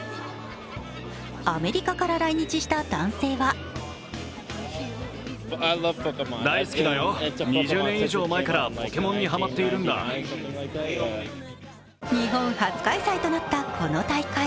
アメリカから来日した男性は日本初開催となったこの大会。